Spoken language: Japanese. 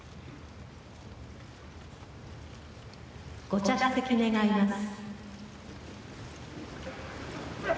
ご着席願います。